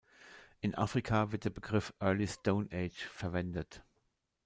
In Afrika wird der Begriff Early Stone Age verwendet.